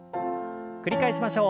繰り返しましょう。